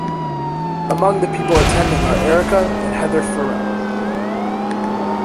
Among the people attending are Erica and Heather Farrell.